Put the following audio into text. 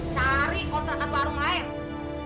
cari konterkan warung lain